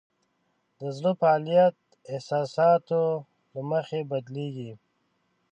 د زړه فعالیت د احساساتو له مخې بدلېږي.